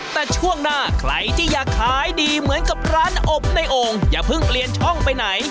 แต่ช่วงหน้าใครที่อยากขายดีเหมือนกับร้านอบในโอ่งอย่าเพิ่งเปลี่ยนช่องไปไหน